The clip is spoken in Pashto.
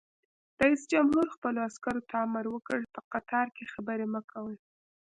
رئیس جمهور خپلو عسکرو ته امر وکړ؛ په قطار کې خبرې مه کوئ!